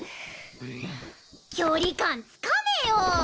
距離感つかめよ！